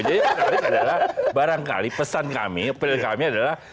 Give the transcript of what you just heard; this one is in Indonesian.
jadi barangkali pesan kami peril kami adalah